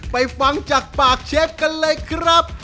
ฟังจากปากเชฟกันเลยครับ